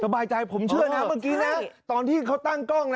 บายใจผมเชื่อนะเมื่อกี้นะตอนที่เขาตั้งกล้องนะ